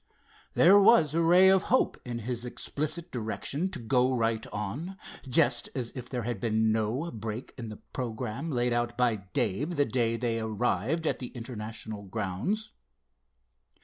There was a ray of hope in his explicit direction to go right on, just as if there had been no break in the programme laid out by Dave the day they arrived at the International grounds.